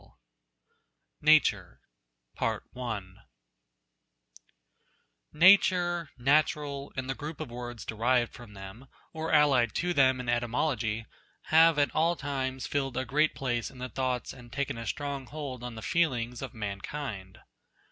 242 NATURE NATUEE "VT ATTIRE, natural, and tlie group of words derived from them, or allied to them in etymology, have at all times filled a great place in the thoughts and taken a strong hold on the feelings of mankind.